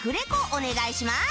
お願いします